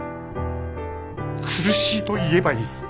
苦しいと言えばいい。